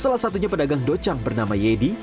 salah satunya pedagang docang bernama yedi